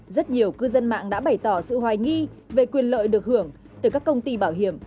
rất nhiều cư dân mạng đã bày tỏ sự hoài nghi về quyền lợi được hưởng từ các công ty bảo hiểm